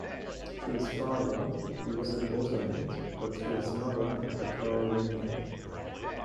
Through his father, he was a Bosonid, but through his mother, a Carolingian.